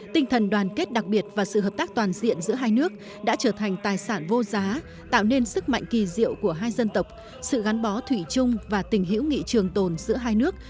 tinh thần đoàn kết đặc biệt và sự hợp tác toàn diện giữa hai nước đã trở thành tài sản vô giá tạo nên sức mạnh kỳ diệu của hai dân tộc sự gắn bó thủy chung và tình hữu nghị trường tồn giữa hai nước